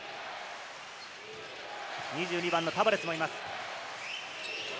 ２２番のタバレスもいます。